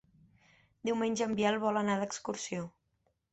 Diumenge en Biel vol anar d'excursió.